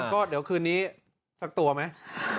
ก็เดี๋ยวคืนนี้สักตัวไหม